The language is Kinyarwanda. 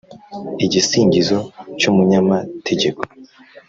Igisingizo cy’umunyamategeko